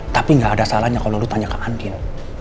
tapi gak ada salahnya kalo lo tanya ke andin